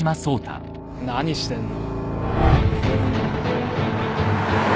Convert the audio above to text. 何してんの？